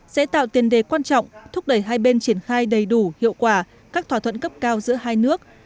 sẽ tạo tiền đề quan trọng thúc đẩy hai bên triển khai đầy đủ hiệu quả các thỏa thuận cấp cao giữa hai nước